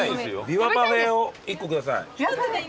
び和パフェを１個下さい。